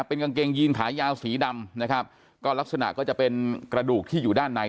เป็นกางเกงยีนขายาวสีดำนะครับก็ลักษณะก็จะเป็นกระดูกที่อยู่ด้านใน